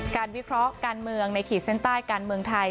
วิเคราะห์การเมืองในขีดเส้นใต้การเมืองไทย